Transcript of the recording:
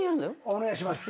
お願いします。